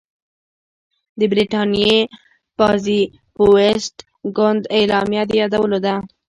د برټانیې پازیټویسټ ګوند اعلامیه د یادولو ده.